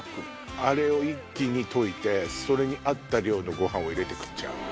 あれを一気に溶いてそれに合った量のご飯を入れて食っちゃうの。